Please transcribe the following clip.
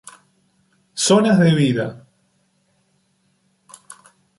Zonas de vida.